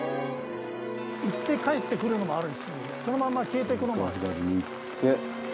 行って帰ってくるのもあるしそのまんま消えてくのもある。